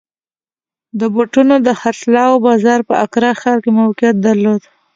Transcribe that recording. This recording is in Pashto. د بوټانو د خرڅلاو بازار په اکرا ښار کې موقعیت درلود.